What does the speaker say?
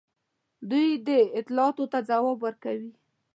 دوی دې اطلاعاتو ته ځواب ورکوي.